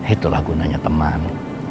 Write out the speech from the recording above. itulah gunanya teman